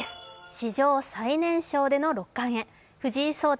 史上最年少での六冠へ、藤井聡太